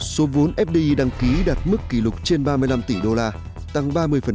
số vốn fdi đăng ký đạt mức kỷ lục trên ba mươi năm tỷ đô la tăng ba mươi